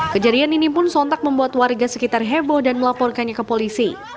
kejadian ini pun sontak membuat warga sekitar heboh dan melaporkannya ke polisi